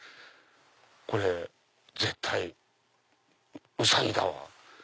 これ絶対ウサギだわ。